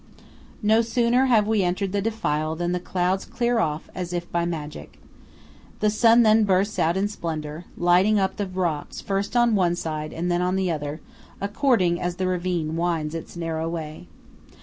No sooner have we entered the defile than the clouds clear off as if by magic. The sun then bursts out in splendour, lighting up the rocks first on one side and then on the other, according as the ravine winds its narrow way.